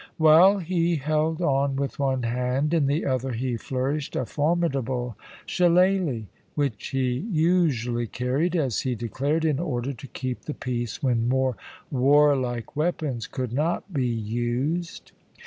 While he held on with one hand, in the other he flourished a formidable shillaly, which he usually carried, as he declared, in order to keep the peace when more warlike weapons could not be used.